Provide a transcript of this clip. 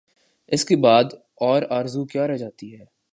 اس کے بعد اور آرزو کیا رہ جاتی ہے؟